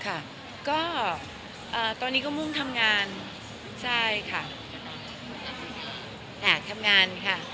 ก็ตอนนี้ก็มุ่งทำงานใช่ค่ะทำงานค่ะ